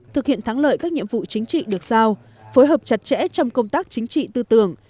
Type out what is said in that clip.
thực hiện thắng lợi các nhiệm vụ chính trị được sao phối hợp chặt chẽ trong công tác chính trị tư tưởng